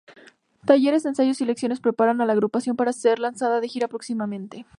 Talleres, ensayos y lecciones preparan a la agrupación para ser lanzada de gira próximamente.